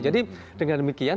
jadi dengan demikian